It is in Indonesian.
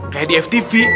kayak di ftv